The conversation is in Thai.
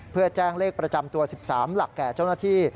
เพื่อแจ้งเลขประจำตัว๑๓หลักแก่เจ้าหน้าที่